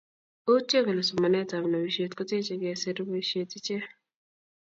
Uutye kole somanetab nopishet koteche kesiir boishet ichee